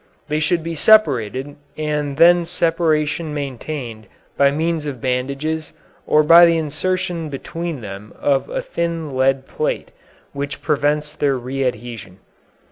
They should be separated, and then separation maintained by means of bandages or by the insertion between them of a thin lead plate, which prevents their readhesion.